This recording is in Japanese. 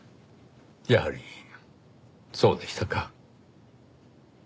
やはりそうでしたか。